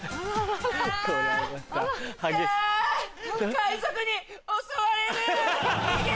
・海賊に襲われる！